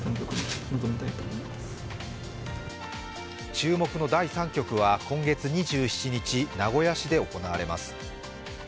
注目の第３局は今月の２７日、名古屋市で行われます。